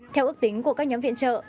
theo ước tính của các nhóm viện trợ